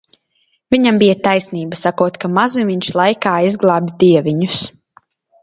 "Viņam bija taisnība, sakot, ka "mazumiņš laikā izglābj deviņus"."